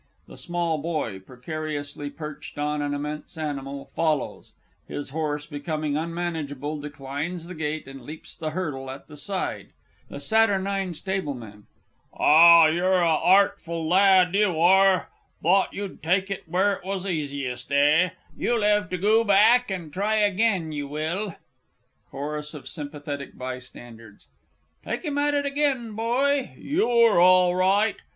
[_The Small Boy, precariously perched on an immense animal, follows; his horse, becoming unmanageable, declines the gate, and leaps the hurdle at the side._ THE S. S. Ah, you're a artful lad, you are thought you'd take it where it was easiest, eh? you'll 'ev to goo back and try agen you will. CHORUS OF SYMPATHETIC BYSTANDERS. Take him at it again, boy; you're all right!...